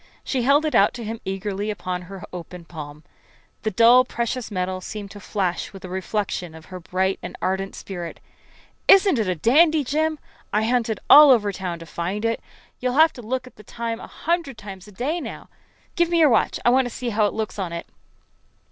She held it out to him eagerly upon her open palm. The dull precious metal seemed to flash with a reflection of her bright and ardent spirit. "Isn't it a dandy, Jim? I hunted all over town to find it. You'll have to look at the time a hundred times a day now. Give me your watch. I want to see how it looks on it."